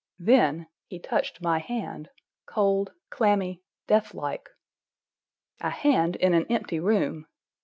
Then—he touched my hand, cold, clammy, death like. A hand in an empty room!